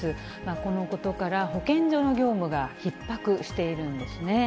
このことから、保健所の業務がひっ迫しているんですね。